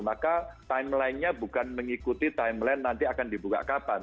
maka timelinenya bukan mengikuti timeline nanti akan dibuka kapan